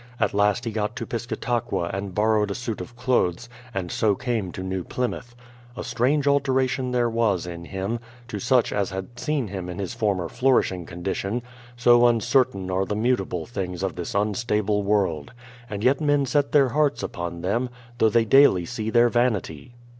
At last he got to Piscataqua and borrowed a suit of clothes, and so came to New Plymouth. A strange alteration there vv^as in him, to such as had seen him in his former flourish ing condition; so uncertain are the mutable things of this unstable world ! And yet men set their hearts upon them, though they daily see their vanity.